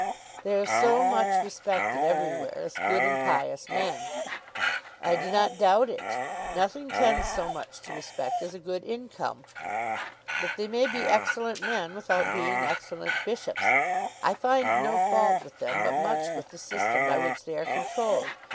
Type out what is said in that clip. "They are so much respected everywhere as good and pious men!" "I do not doubt it. Nothing tends so much to respect as a good income. But they may be excellent men without being excellent bishops. I find no fault with them, but much with the system by which they are controlled.